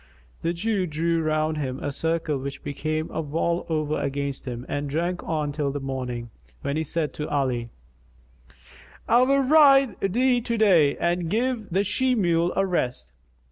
The Jew drew round him a circle which became a wall over against him, and drank on till the morning, when he said to Ali, "I will ride thee to day and give the she mule a rest."